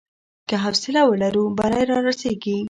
که حوصله ولرو، بری رارسېږي.